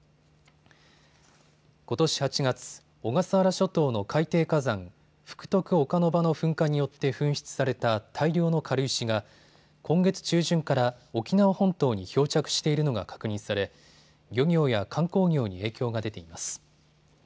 ことし８月、小笠原諸島の海底火山、福徳岡ノ場の噴火によって噴出された大量の軽石が今月中旬から沖縄本島に漂着しているのが確認され、漁業や観光業に影響が出ています。